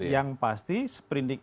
yang pasti seperindik itu